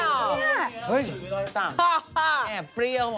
ว้าวจุ๋ยมีรอยสักแอบเปรี้ยวหมด